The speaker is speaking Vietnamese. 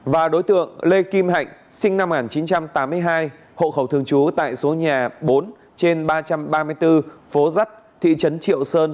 và đối tượng lê kim hạnh sinh năm một nghìn chín trăm tám mươi hai hộ khẩu thường trú tại số nhà bốn trên ba trăm ba mươi bốn phố dắt thị trấn triệu sơn